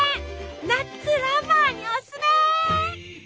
ナッツラバーにおすすめ！